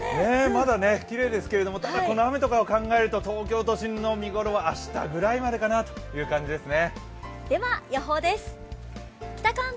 まだきれいですけれども、ただこの雨とかを考えると東京都心の見頃は明日ぐらいまでかなという感じですね。